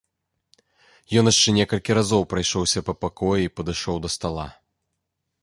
Ён яшчэ некалькі разоў прайшоўся па пакоі і падышоў да стала.